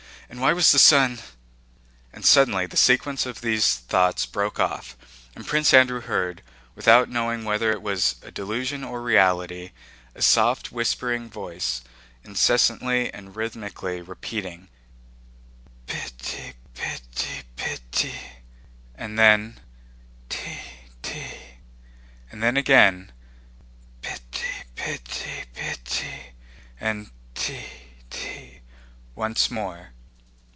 And why was the Son...?" And suddenly the sequence of these thoughts broke off, and Prince Andrew heard (without knowing whether it was a delusion or reality) a soft whispering voice incessantly and rhythmically repeating "piti piti piti," and then "titi," and then again "piti piti piti," and "ti ti" once more.